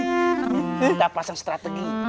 kita pasang strategi